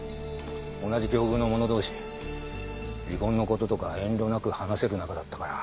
同じ境遇の者同士離婚の事とか遠慮なく話せる仲だったから。